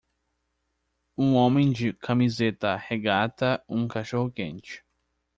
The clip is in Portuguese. Um homem de camiseta regata um cachorro-quente.